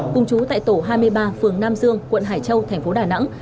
cùng chú tại tổ hai mươi ba phường nam dương quận hải châu thành phố đà nẵng